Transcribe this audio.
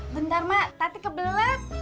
bentar mak tadi kebelet